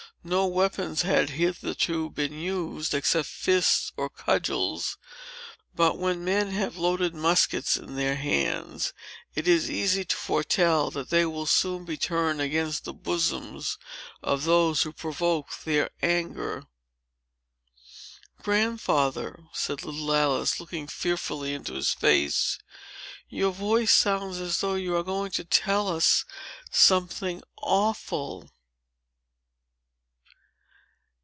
No weapons had hitherto been used, except fists or cudgels. But, when men have loaded muskets in their hands, it is easy to foretell, that they will soon be turned against the bosoms of those who provoke their anger." "Grandfather," said little Alice, looking fearfully into his face, "your voice sounds as though you were going to tell us something awful!"